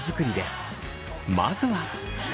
まずは。